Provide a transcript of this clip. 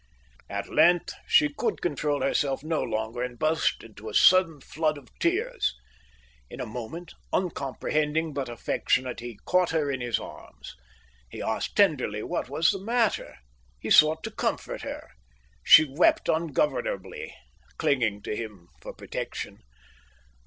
At length she could control herself no longer and burst into a sudden flood of tears. In a moment, uncomprehending but affectionate, he caught her in his arms. He asked tenderly what was the matter. He sought to comfort her. She wept ungovernably, clinging to him for protection.